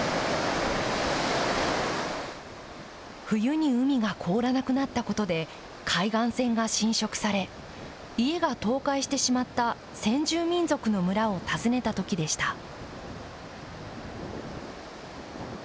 冬に海が凍らなくなったことで、海岸線が浸食され、家が倒壊してしまった、先住民族の村を訪ねたときでした。